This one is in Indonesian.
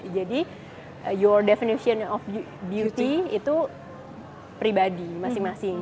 your definition of beauty itu pribadi masing masing